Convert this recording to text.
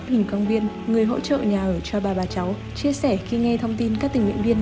hình công viên người hỗ trợ nhà ở cho ba bà cháu chia sẻ khi nghe thông tin các tình nguyện viên